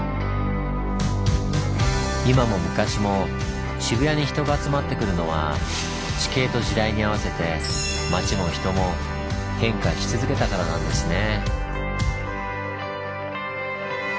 今も昔も渋谷に人が集まってくるのは地形と時代に合わせて街も人も変化し続けたからなんですね。